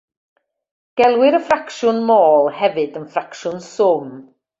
Gelwir y ffracsiwn môl hefyd yn ffracsiwn swm.